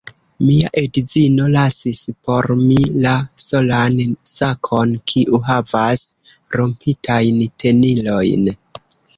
Mia edzino lasis por mi la solan sakon kiu havas rompitajn tenilojn